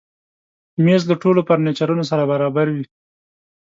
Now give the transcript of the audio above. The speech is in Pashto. مېز له ټولو فرنیچرو سره برابر وي.